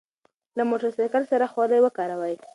له موټر سایکل سره خولۍ وکاروئ.